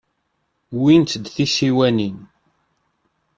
Wwint-d tisiwanin.